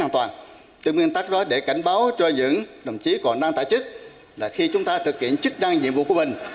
cái nguyên tắc đó để cảnh báo cho những đồng chí còn đang tại chức là khi chúng ta thực hiện chức năng nhiệm vụ của mình